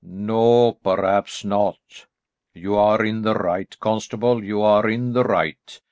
"No, perhaps not. You are in the right, constable, you are in the right.